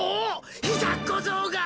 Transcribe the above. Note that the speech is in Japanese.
ひざっこぞうが！